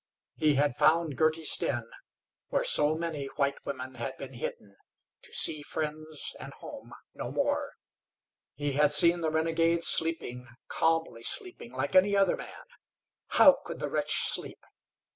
He had found Girty's den where so many white women had been hidden, to see friends and home no more. He had seen the renegade sleeping, calmly sleeping like any other man. How could the wretch sleep!